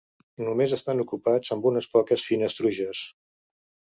Només estan ocupats amb unes poques fines truges.